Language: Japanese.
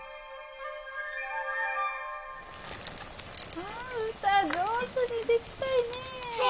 あうた上手にできたいねぇ。